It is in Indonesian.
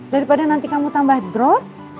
daripada nanti kamu tambah drop